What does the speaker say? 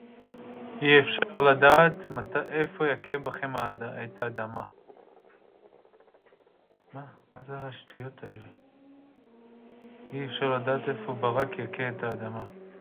אי אפשר לדעת איפה ברק יכה את האדמה